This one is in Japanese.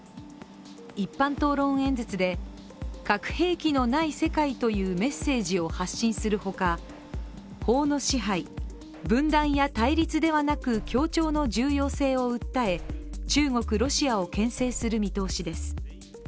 一般討論演説で核兵器のない世界というメッセージを発信するほか法の支配、分断や対立ではなく協調の重要性を訴え中国、ロシアをけん制する見通しです。